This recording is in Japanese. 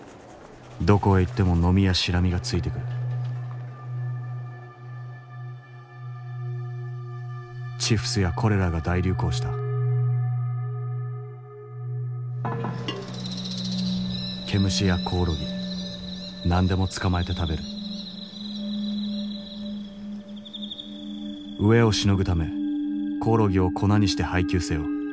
どこへ行ってもノミやシラミがついてくるチフスやコレラが大流行した毛虫やコオロギ何でも捕まえて食べる飢えをしのぐためコオロギを粉にして配給せよ。